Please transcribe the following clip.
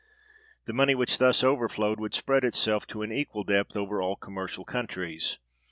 The money which thus overflowed would spread itself to an equal depth over all commercial countries.